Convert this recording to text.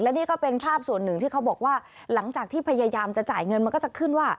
นี่ก็เป็นภาพส่วนหนึ่งที่เขาบอกว่าหลังจากที่พยายามจะจ่ายเงินมันก็จะขึ้นว่า